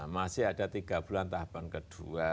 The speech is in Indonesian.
masih ada tiga bulan tahapan kedua